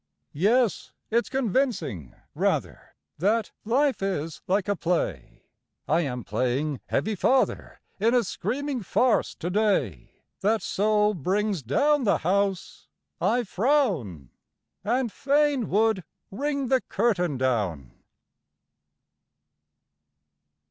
...... Yes; it's convincing rather That "Life is like a play": I am playing "Heavy Father" In a "Screaming Farce" to day, That so "brings down The house," I frown, And fain would "ring the curtain down."